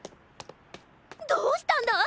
どうしたんだ？